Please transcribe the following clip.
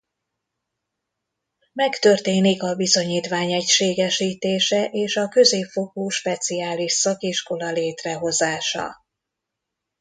Megtörténik a bizonyítvány egységesítése és a középfokú speciális szakiskola létrehozása.